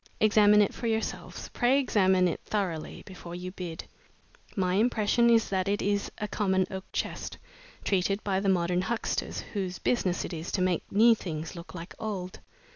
Examine it for yourselves pray examine it thoroughly before you bid. My impression is that it is a common oak chest, treated by the modern huckster whose business it is to make new things look like old.